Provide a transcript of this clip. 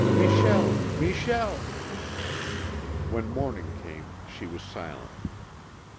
Michel! Michel!" When morning came she was silent.